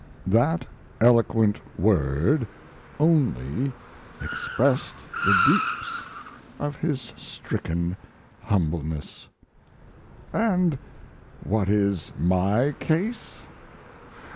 That eloquent word 'only' expressed the deeps of his stricken humbleness. "And what is my case?